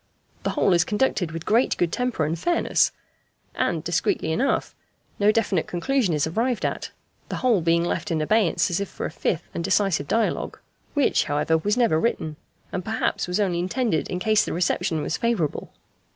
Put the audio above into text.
The whole is conducted with great good temper and fairness; and, discreetly enough, no definite conclusion is arrived at, the whole being left in abeyance as if for a fifth and decisive dialogue, which, however, was never written, and perhaps was only intended in case the reception was favourable.